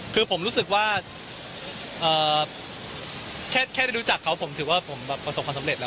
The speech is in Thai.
คือผมรู้สึกว่าแค่ได้รู้จักเค้าถือกว่ามันคอมสมสมเด็จแล้ว